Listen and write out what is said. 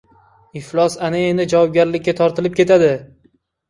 — Iflos ana endi javobgarlikka tortilib ketadi".